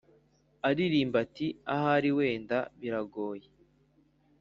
ariramba ati"ahari wenda biragoye